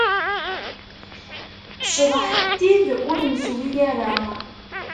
Cḍeḥ n tid ur neswi ara.